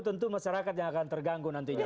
tentu masyarakat yang akan terganggu nantinya